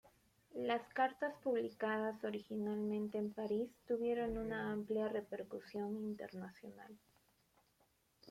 Las cartas publicadas originalmente en París tuvieron una amplia repercusión internacional.